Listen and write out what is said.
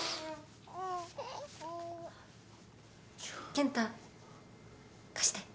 健太貸して。